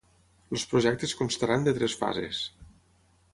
Els projectes constaran de tres fases.